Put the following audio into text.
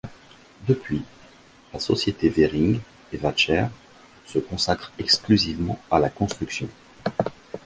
Depuis, la société Vering & Waechter se consacre exclusivement à la construction.